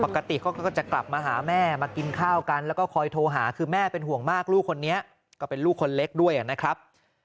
ปกติเขาก็จะกลับมาหาแม่มากินข้าวกันแล้วก็คอยโทรหาคือแม่เป็นห่วงมากลูกคนนี้ก็เป็นลูกคนเล็กด้วยนะครับ